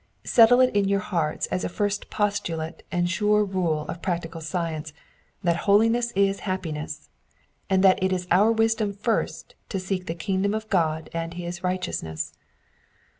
Settle it in your hearts as a first postulate and sure rule of practical science that holiness is happiness, and that it is our wisdom first to seek the Kingdom of Gk)d and his righteousness.